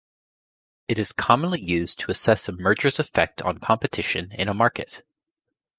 It is commonly used to assess a merger's effect on competition in a market.